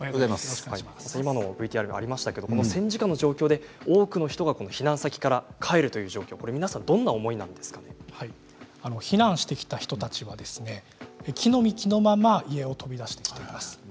今のＶＴＲにもありましたけれど戦時下の状況で多くの人が避難先から帰るという状況、皆さん避難した人たちは着の身着のまま家を飛び出している状況です。